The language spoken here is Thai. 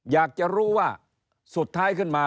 อยากจะรู้ว่าสุดท้ายขึ้นมา